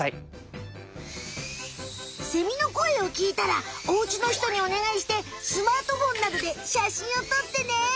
セミのこえをきいたらおうちのひとにおねがいしてスマートフォンなどでしゃしんをとってね。